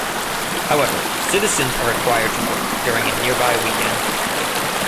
However, citizens are required to work during a nearby weekend.